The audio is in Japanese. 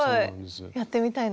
やってみたいな。